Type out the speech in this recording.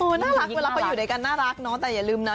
น่ารักเวลาเขาอยู่ด้วยกันน่ารักเนาะแต่อย่าลืมนะ